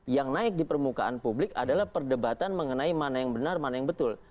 yang naik di permukaan publik adalah perdebatan mengenai mana yang benar mana yang betul